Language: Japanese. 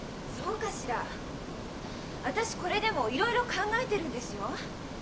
私これでもいろいろ考えてるんですよ？